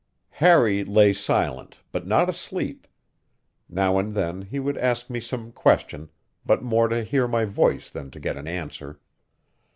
Harry lay silent, but not asleep; now and then he would ask me some question, but more to hear my voice than to get an answer.